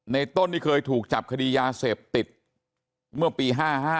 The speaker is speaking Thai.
ต้นนี่เคยถูกจับคดียาเสพติดเมื่อปี๕๕